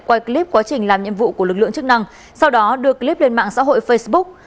quay clip quá trình làm nhiệm vụ của lực lượng chức năng sau đó được clip lên mạng xã hội facebook